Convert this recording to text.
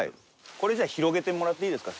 これじゃあ広げてもらっていいですか？